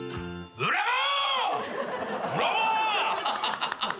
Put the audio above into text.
ブラボー！